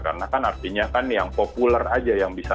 karena artinya kan yang populer aja yang bisa